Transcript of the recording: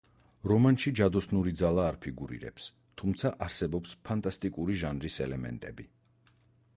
რომანში ჯადოსნური ძალა არ ფიგურირებს, თუმცა არსებობს ფანტასტიკური ჟანრის ელემენტები.